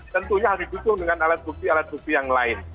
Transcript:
tentunya harus ditutupi dengan alat bukti alat bukti lain